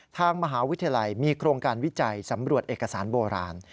ทางมหาวิทยาลัยมีโครงการวิจัยสำรวจเอกสารโบราณ